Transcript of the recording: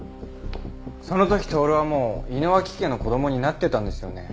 その時透はもう井野脇家の子供になってたんですよね。